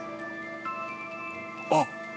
あっ。